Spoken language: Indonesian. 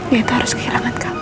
yaitu harus kehilangan kamu